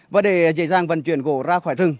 và để dễ dàng vận chuyển gỗ ra khỏi rừng